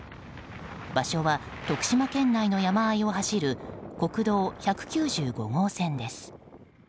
場所は徳島県内の山あいを走る国道１９５号線です。